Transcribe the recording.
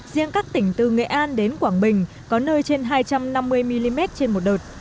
riêng các tỉnh từ nghệ an đến quảng bình có nơi trên hai trăm năm mươi mm trên một đợt